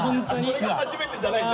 これが初めてじゃないんだ。